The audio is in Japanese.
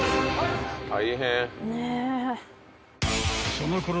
［そのころ